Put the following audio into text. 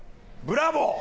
「ブラボー！」